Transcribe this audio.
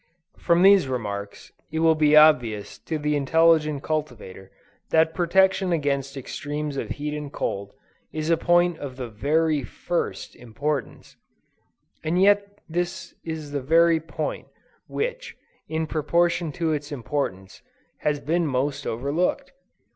From these remarks, it will be obvious to the intelligent cultivator, that protection against extremes of heat and cold, is a point of the VERY FIRST IMPORTANCE; and yet this is the very point, which, in proportion to its importance, has been most overlooked.